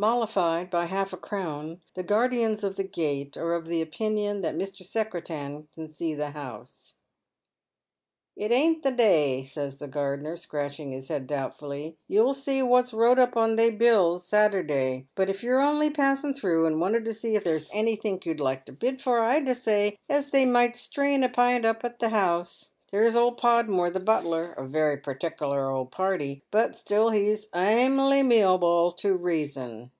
Mollified by half a crown, the guardians of the gate are of opinion that Mr. Secretan can see the house. " It ain't the day," says the gardener, scratching his head doubtfully ;" you'll see wot's wrote up on they bills — Saturday. But if you're only passin' through and wanted to see if there's anythink you'd like to bid for, I dessay as they might strain a pint up at the house. There's old Podmore, the butler, a very pertikler old party, but still he's ameliable to reason."